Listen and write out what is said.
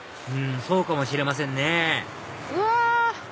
そうかもしれませんねうわ！